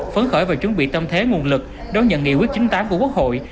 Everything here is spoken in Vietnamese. phấn khởi và chuẩn bị tâm thế nguồn lực đón nhận nghị quyết chín mươi tám của quốc hội